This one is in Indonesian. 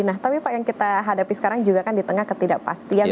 nah tapi pak yang kita hadapi sekarang juga kan di tengah ketidakpastian